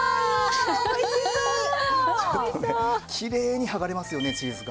きれいに剥がれますよねチーズが。